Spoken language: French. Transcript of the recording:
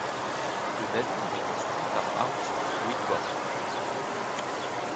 Le navire est construit par Armstrong Whitworth.